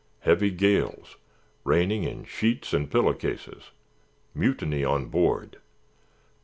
Heavy gales. Raining in sheets and pillow cases. Mutiny on board.